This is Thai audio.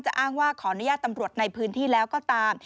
อ้างว่าขออนุญาตตำรวจในพื้นที่แล้วก็ตาม